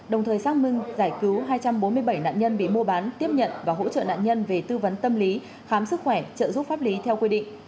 đồng thời xác minh giải cứu hai trăm bốn mươi bảy nạn nhân bị mua bán tiếp nhận và hỗ trợ nạn nhân về tư vấn tâm lý khám sức khỏe trợ giúp pháp lý theo quy định